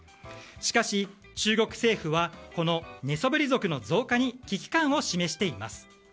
しかし、中国政府はこの寝そべり族の増加に危機感を示しています。